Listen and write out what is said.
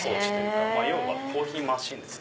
要はコーヒーマシンです。